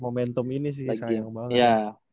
momentum ini sih sayang banget